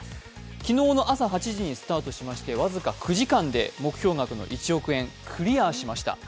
昨日の朝８時にスタートしまして、僅か９時間で目標額の１億円をクリアしました。